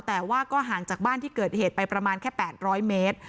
แต่ว่าก็ห่างจากบ้านที่เกิดเหตุไปประมาณแค่๘๐๐เมตร